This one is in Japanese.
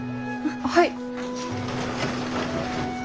はい。